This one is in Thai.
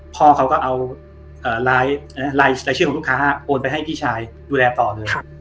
พ่อเขาก็เอารายชื่อของลูกค้าโอนไปให้พี่ชายดูแลต่อเลย